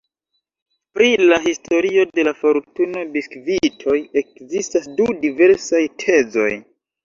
Pri la historio de la fortuno-biskvitoj ekzistas du diversaj tezoj.